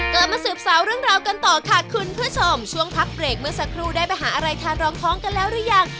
กลับมาสืบสาวเรื่องราวกันต่อค่ะคุณผู้ชมช่วงพักเบรกเมื่อสักครู่ได้ไปหาอะไรทานรองท้องกันแล้วหรือยัง